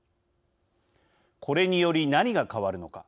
これにより何が変わるのか。